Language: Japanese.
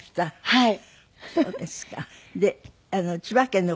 はい。